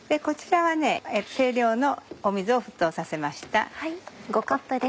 こちらは定量の水を沸騰させました。